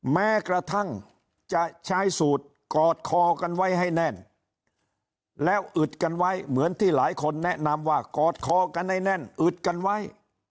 แม้กระทั่งจะใช้สูตรกอดคอกันไว้ให้แน่นแล้วอึดกันไว้เหมือนที่หลายคนแนะนำว่ากอดคอกันให้แน่นอึดกันไว้